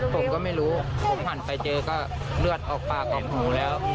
ผมก็ไม่รู้ผมหันไปเจอก็เลือดออกปากออกหูแล้ว